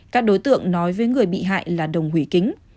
các đối tượng nói với người bị hại là đồng hủy kính